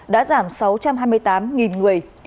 đã giảm sáu trăm hai mươi tám nghìn người